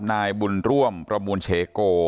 นายบุญร่วมประมูลเชโก